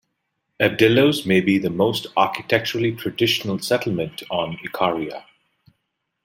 Evdilos may be the most architecturally traditional settlement on Ikaria.